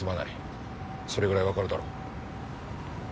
それぐらいわかるだろう。